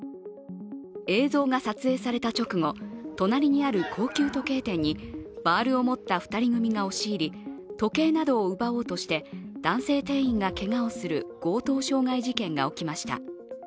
映像が撮影された直後、隣にある高級腕時計店にバールを持った２人組が押し入り時計などを奪おうとして男性店員がけがをする強盗傷害事件が起きました。